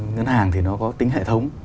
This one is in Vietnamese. ngân hàng thì nó có tính hệ thống